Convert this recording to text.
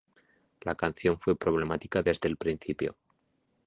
La canción fue problemática desde el principio.